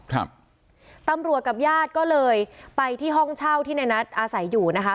ครับตำรวจกับญาติก็เลยไปที่ห้องเช่าที่ในนัทอาศัยอยู่นะคะ